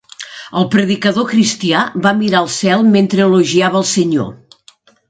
El predicador cristià va mirar al cel mentre elogiava el senyor.